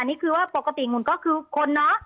นี่คือว่าปกติหมุนก็คือคนเนอะ